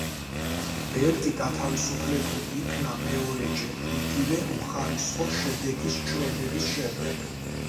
ბერდი გათავისუფლებული იქნა მეორეჯერ იგივე უხარისხო შედეგის ჩვენების შემდეგ.